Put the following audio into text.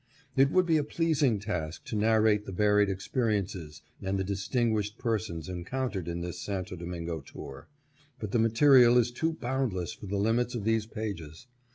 It would be a pleasing task to narrate the varied experiences and the distinguished persons encountered in this Santo Domingo tour, but the material is too boundless for the limits of these pages.